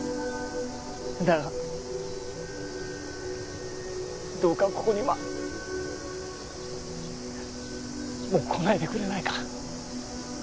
だがどうかここにはもう来ないでくれないか？